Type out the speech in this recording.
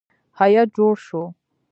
هیات جوړ شو.